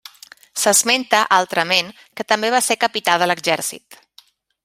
S'esmenta, altrament, que també va ser capità de l'exèrcit.